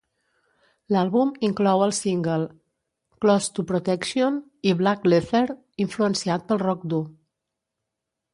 L'àlbum inclou el single "Close to Protection" i "Black Leather", influenciat pel rock dur.